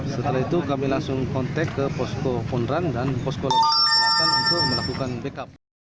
setelah itu kami langsung kontak ke posko pondrang dan posko lombok selatan untuk melakukan backup